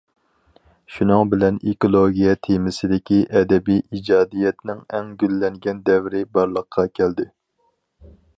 شۇنىڭ بىلەن ئېكولوگىيە تېمىسىدىكى ئەدەبىي ئىجادىيەتنىڭ ئەڭ گۈللەنگەن دەۋرى بارلىققا كەلدى.